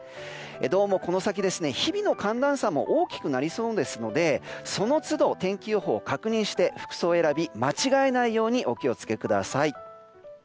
どうもこの先、日々の寒暖差も大きくなりそうですのでそのつど、天気予報を確認して服装選び間違えないようにお気を付けください。